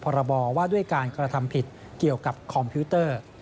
พรบว่าด้วยการกระทำผิดเกี่ยวกับคอมพิวเตอร์